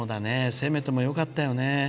せめてもよかったよね。